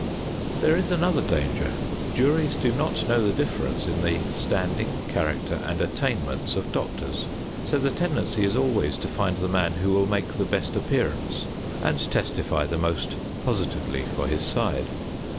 There is another danger: juries do not know the difference in the standing, character and attainments of doctors, so the tendency is always to find the man who will make the best appearance and testify the most positively for his side.